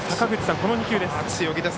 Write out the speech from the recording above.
この２球です。